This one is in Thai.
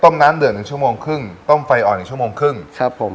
น้ำเดือดหนึ่งชั่วโมงครึ่งต้มไฟอ่อนหนึ่งชั่วโมงครึ่งครับผม